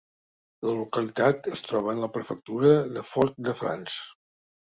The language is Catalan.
La localitat es troba en la prefectura de Fort-de-France.